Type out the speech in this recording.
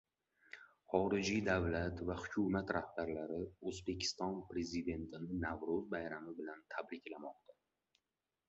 Xorijiy davlat va hukumat rahbarlari O‘zbekiston Prezidentini Navro‘z bayrami bilan tabriklamoqda